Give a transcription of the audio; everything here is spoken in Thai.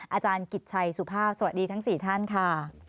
อาจารย์กิจชัยสุภาพสวัสดีทั้ง๔ท่านค่ะ